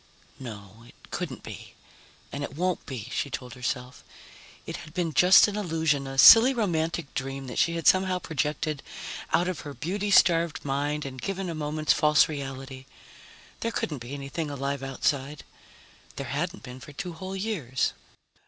No, it couldn't be, and it won't be, she told herself. It had been just an illusion, a silly romantic dream that she had somehow projected out of her beauty starved mind and given a moment's false reality. There couldn't be anything alive outside. There hadn't been for two whole years.